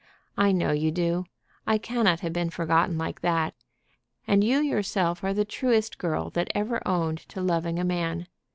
I know you do. I cannot have been forgotten like that. And you yourself are the truest girl that ever owned to loving a man.